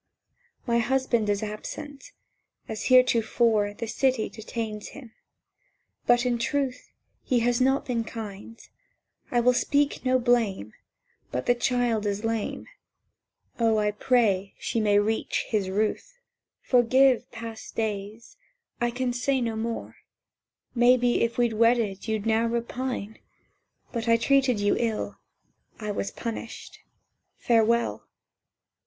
"My husband is absent. As heretofore The City detains him. But, in truth, He has not been kind ... I will speak no blame, But—the child is lame; O, I pray she may reach his ruth! "Forgive past days—I can say no more— Maybe if we'd wedded you'd now repine! ... But I treated you ill. I was punished. Farewell!